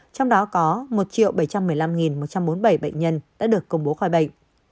trong đó có một bảy trăm một mươi năm một trăm bốn mươi bảy bệnh nhân đã được công bố khỏi bệnh